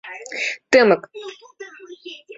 Тымык.